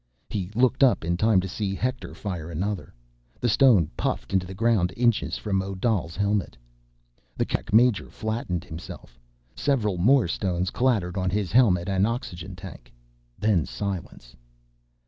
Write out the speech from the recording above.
He looked up in time to see Hector fire another. The stone puffed into the ground inches from Odal's helmet. The Kerak major flattened himself. Several more stones clattered on his helmet and oxygen tank. Then silence.